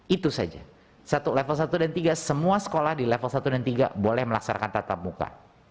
itu saja level satu dan tiga semua sekolah di level satu dan tiga boleh melaksanakan tatap muka